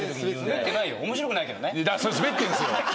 だからそれスベってんですよ。